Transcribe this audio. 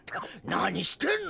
なにしてんの？